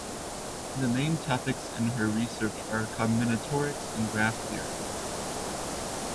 The main topics in her research are combinatorics and graph theory.